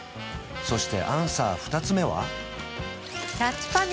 そしてアンサー２つ目は？